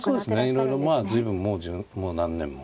いろいろまあ随分もうもう何年も。